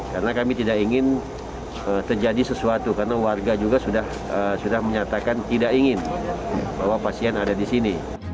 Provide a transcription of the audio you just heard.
karena kami tidak ingin terjadi sesuatu karena warga juga sudah menyatakan tidak ingin bahwa pasien ada di sini